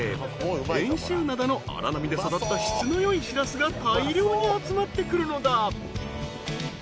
［遠州灘の荒波で育った質の良いシラスが大量に集まってくるのだ］